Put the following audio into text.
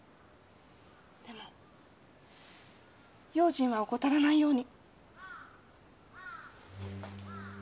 でも用心は怠らないように。